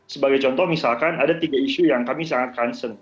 sebagai contoh misalkan ada tiga isu yang kami sangat concern